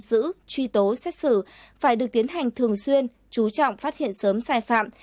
công tác thanh tra nhất là thanh tra trong khởi tố xét xử phải được tiến hành thường xuyên chú trọng phát hiện sớm sai phạm